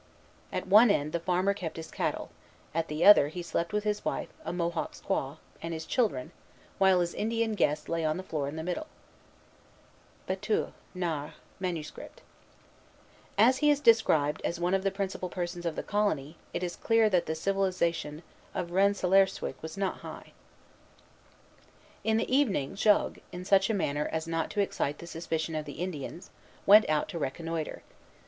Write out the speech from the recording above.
At one end the farmer kept his cattle; at the other he slept with his wife, a Mohawk squaw, and his children, while his Indian guests lay on the floor in the middle. As he is described as one of the principal persons of the colony, it is clear that the civilization of Rensselaerswyck was not high. Buteux, Narré, MS. In the evening, Jogues, in such a manner as not to excite the suspicion of the Indians, went out to reconnoitre.